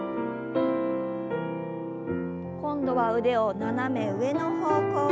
今度は腕を斜め上の方向に。